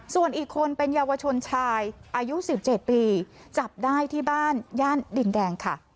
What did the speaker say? ส่วนอีกคนเป็นเยาวชนชายอายุ๑๗ปีจับได้ที่บ้านย่านดินแดงค่ะ